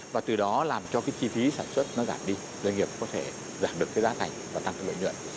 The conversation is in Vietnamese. và từ đó làm cho cái chi phí sản xuất nó giảm đi doanh nghiệp có thể giảm được cái giá thành và tăng lợi nhuận